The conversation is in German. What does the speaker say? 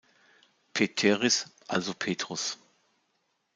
Pēteris", also Petrus.